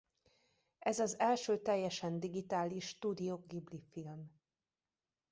Ez az első teljesen digitális Studio Ghibli-film.